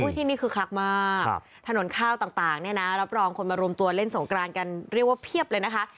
ที่นี่ขึ้นขับมากถนนข้าวต่างรับรองคนมารวมตัวเล่นสงครานกันเขียวว่าเพียบเลยนะคะ